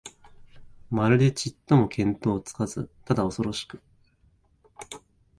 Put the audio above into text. まるでちっとも見当つかず、ただおそろしく、